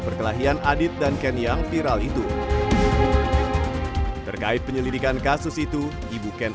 perkelahian adit dan ken yang viral itu terkait penyelidikan kasus itu ibu ken